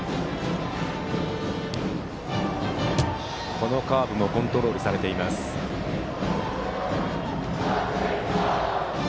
このカーブもコントロールされていました。